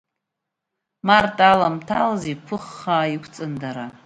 Март аламҭалаз иԥыхха иқәҵан дара.